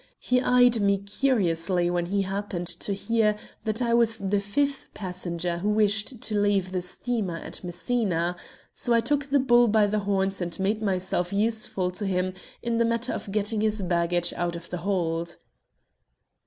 He eyed me curiously when he happened to hear that I was the fifth passenger who wished to leave the steamer at Messina, so I took the bull by the horns and made myself useful to him in the matter of getting his baggage out of the hold."